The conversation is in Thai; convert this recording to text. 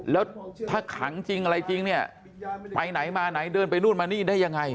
แล้วถ้าขังจริงอะไรจริงเนี่ยไปไหนมาไหนเดินไปนู่นมานี่ได้ยังไง